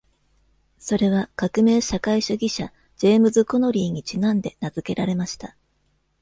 それは革命社会主義者ジェームズ・コノリーにちなんで名付けられました。